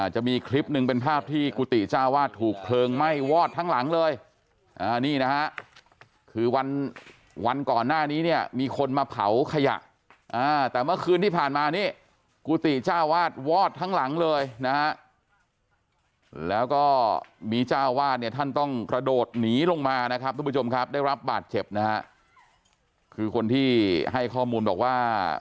จะมีคลิปหนึ่งเป็นภาพที่กุฏิเจ้าวาดถูกเพลิงไหม้วอดทั้งหลังเลยนี่นะฮะคือวันวันก่อนหน้านี้เนี่ยมีคนมาเผาขยะแต่เมื่อคืนที่ผ่านมานี่กุฏิเจ้าวาดวอดทั้งหลังเลยนะฮะแล้วก็มีเจ้าวาดเนี่ยท่านต้องกระโดดหนีลงมานะครับทุกผู้ชมครับได้รับบาดเจ็บนะฮะคือคนที่ให้ข้อมูลบอกว่า